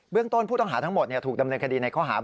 เบื้องต้นผู้ต้องหาทั้งหมดเนี่ยถูกดำเนินคดีในข้อหาร